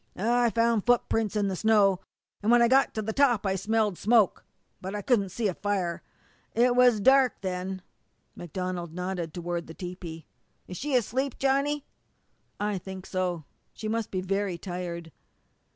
"I found footprints in the snow, an' when I got to the top I smelled smoke, but couldn't see a fire. It was dark then." MacDonald nodded toward the tepee. "Is she asleep, Johnny?" "I think so. She must be very tired."